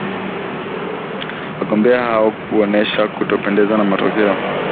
wagombea hao kuonesha kutopendezwa na matokeo